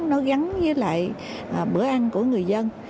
nó gắn với lại bữa ăn của người dân